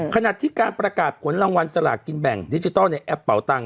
ขณะที่การประกาศผลรางวัลสลากกินแบ่งดิจิทัลในแอปเป่าตังค